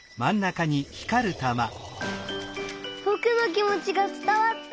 ぼくのきもちがつたわった！